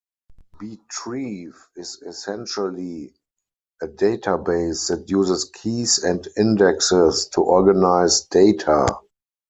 Btrieve is essentially a database that uses keys and indexes to organise data.